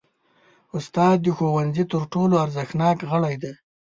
استاد د ښوونځي تر ټولو ارزښتناک غړی دی.